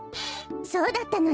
そうだったのね。